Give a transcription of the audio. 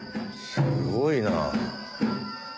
すごいな。